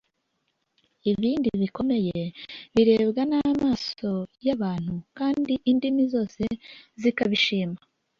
Ibindi bikomeye birebwa n'amaso y'abantu kandi indimi zose zikabishima,